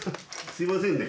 すいません！